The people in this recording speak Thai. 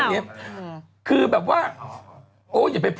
คุณหมอโดนกระช่าคุณหมอโดนกระช่า